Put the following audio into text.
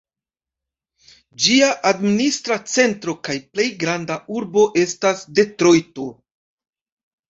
Ĝia administra centro kaj plej granda urbo estas Detrojto.